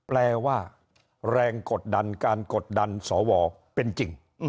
แปลว่าแรงกดดันการกดดันสวเป็นจริง